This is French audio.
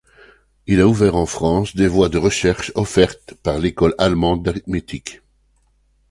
Il a ouvert en France des voies de recherche offertes par l’école allemande d’arithmétique.